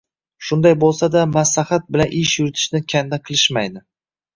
Shunday bo`lsa-da maslahat bilan ish yuritishni kanda qilishmaydi